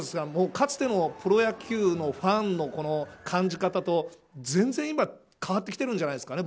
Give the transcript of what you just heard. かつてのプロ野球のファンの感じ方と全然、今は変わってきてるんじゃないですか。